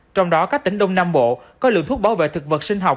trong đó các tỉnh đông nam bộ có lượng thuốc bảo vệ thực vật sinh học